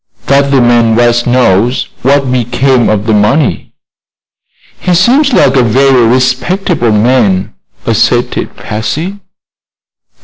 "That the man West knows what became of the money." "He seems like a very respectable man," asserted Patsy.